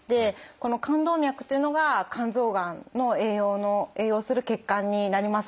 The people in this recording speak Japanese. この肝動脈というのが肝臓がんの栄養の栄養する血管になります。